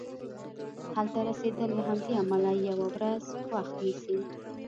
هلته رسیدل له همدې امله یوه ورځ وخت نیسي.